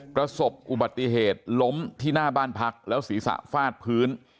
ประสบอุบัติเหตุล้มที่หน้าบ้านพักแล้วศีรษะฟาดพื้น